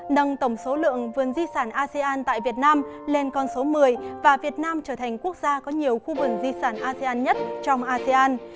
nâng tổng số lượng vườn di sản asean tại việt nam lên con số một mươi và việt nam trở thành quốc gia có nhiều khu vườn di sản asean nhất trong asean